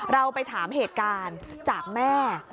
เราไปถามเหตุการณ์จากแม่